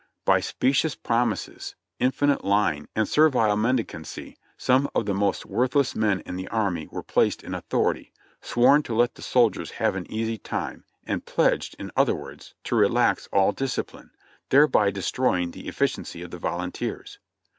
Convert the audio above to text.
By specious promises, infinite lying and servile mendicancy, some of the most worthless men in the army were placed in authority, sworn to let the soldiers have an easy time, and pledged, in other words, to relax all discipline, thereby destroying the efficiency of the volunteers.